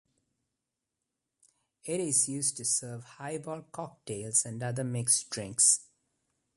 It is used to serve highball cocktails and other mixed drinks.